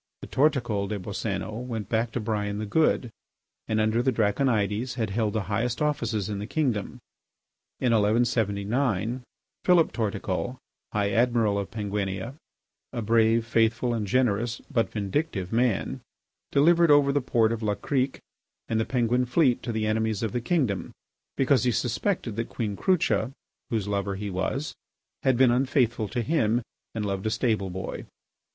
The Torticol des Boscénos went back to Brian the Good, and under the Draconides had held the highest offices in the kingdom. In 1179, Philip Torticol, High Admiral of Penguinia, a brave, faithful, and generous, but vindictive man, delivered over the port of La Crique and the Penguin fleet to the enemies of the kingdom, because he suspected that Queen Crucha, whose lover he was, had been unfaithful to him and loved a stable boy.